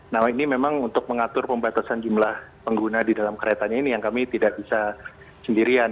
nah ini memang untuk mengatur pembatasan jumlah pengguna di dalam keretanya ini yang kami tidak bisa sendirian